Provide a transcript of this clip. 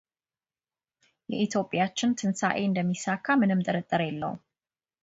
የኢትዮጵያችን ትንሣኤ እንደሚሳካ ምንም ጥርጥር የለውም።